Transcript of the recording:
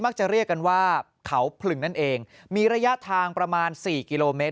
มักจะเรียกว่าเขาผลึกนั่นเองมีระยะทางประมาณ๔กิโลเมตร